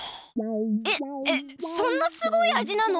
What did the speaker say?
えっえっそんなすごいあじなの！？